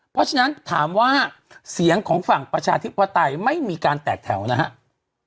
เพราะฉะนั้นถามว่าเสียงของฝั่งประชาธิปไตยไม่มีการแตกแถวนะครับ